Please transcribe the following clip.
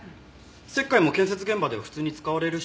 石灰も建設現場では普通に使われるし。